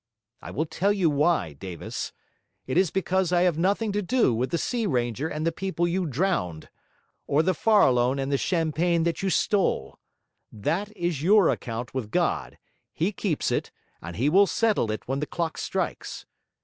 I will tell you why, Davis. It is because I have nothing to do with the Sea Ranger and the people you drowned, or the Farallone and the champagne that you stole. That is your account with God, He keeps it, and He will settle it when the clock strikes.